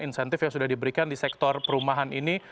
insentif yang sudah diberikan di sektor perumahan ini